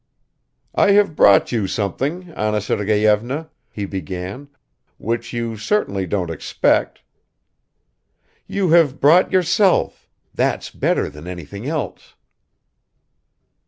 "I have brought you something, Anna Sergeyevna," he began, "which you certainly don't expect ..." "You have brought yourself; that's better than anything else."